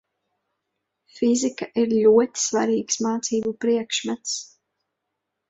Fizika ir ļoti svarīgs mācību priekšmets.